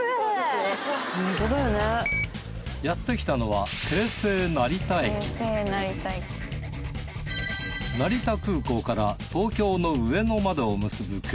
やってきたのは成田空港から東京の上野までを結ぶ